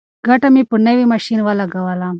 ګټه مې په نوي ماشین ولګوله.